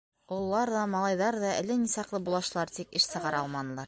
Ололар ҙа, малайҙар ҙа әллә ни саҡлы булаштылар, тик эш сығара алманылар.